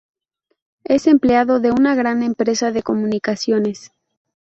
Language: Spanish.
Es empleado de una gran empresa de comunicaciones.